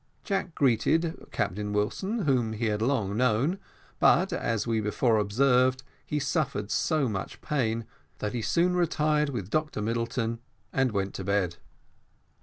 Jack greeted Captain Wilson, whom he had long known; but, as we before observed, he suffered so much pain, that he soon retired with Dr Middleton, and went to bed.